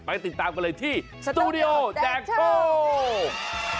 ติดตามกันเลยที่สตูดิโอแจกโชค